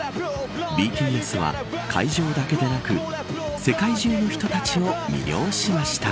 ＢＴＳは、会場だけでなく世界中の人たちを魅了しました。